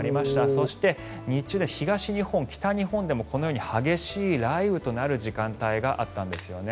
そして、日中東日本、北日本でもこのように激しい雷雨になる時間帯があったんですね。